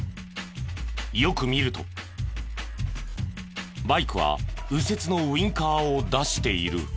よく見るとバイクは右折のウィンカーを出している。